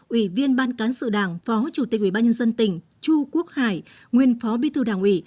ủy viên ban cán sự đảng phó chủ tịch ủy ban nhân dân tỉnh chu quốc hải nguyên phó bí thư đảng ủy